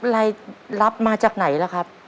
รายรับมาจากไหนล่ะครับ